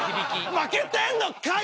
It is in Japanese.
負けてんのかい！